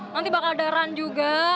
nanti bakal ada run juga